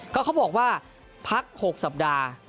ก็เขาบอกว่าพัก๖สัปดาห์